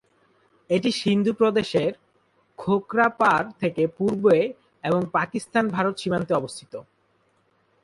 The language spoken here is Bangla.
এটি সিন্ধু প্রদেশের খোখরাপাড় থেকে পূর্বে এবং পাকিস্তান-ভারত সীমান্তে অবস্থিত।